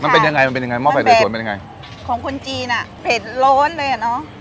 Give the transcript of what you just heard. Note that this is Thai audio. มันเป็นยังไงมันเป็นยังไงหม้อไฟสวยสวนเป็นยังไงของคนจีนอ่ะเผ็ดร้อนเลยอ่ะเนอะ